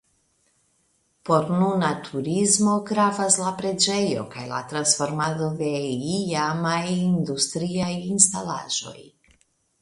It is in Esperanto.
Por nuna turismo gravas la preĝejo kaj la transformado de iamaj industriaj instalaĵoj.